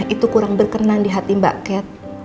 itu kurang berkenan di hati mbak cat